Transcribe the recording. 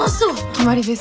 決まりです。